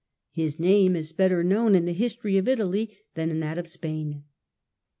His name is better known King of in the history of Italy than in that of Spain (see p.